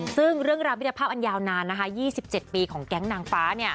ซึ่งเรื่องราวมิตรภาพอันยาวนาน๒๗ปีของแก๊งนางฟ้า